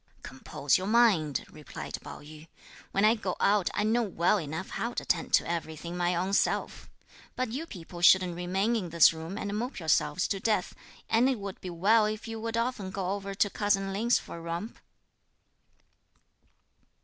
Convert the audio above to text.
"Compose your mind," replied Pao yü; "when I go out, I know well enough how to attend to everything my own self. But you people shouldn't remain in this room, and mope yourselves to death; and it would be well if you would often go over to cousin Lin's for a romp."